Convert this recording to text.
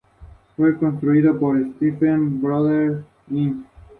El Obeid es la capital del estado.